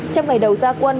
trong ngày đầu gia quân